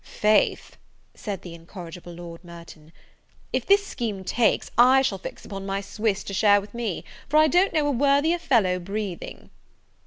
"Faith," said the incorrigible Lord Merton, "if this scheme takes, I shall fix upon my Swiss to share with me; for I don't know a worthier fellow breathing."